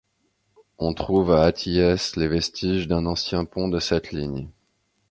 On trouve à Athies les vestiges d'un ancien pont de cette ligne.